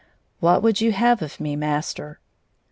" What would you have of me, master